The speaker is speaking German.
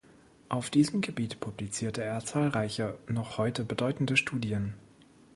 Auf diesem Gebiet publizierte er zahlreiche noch heute bedeutende Studien.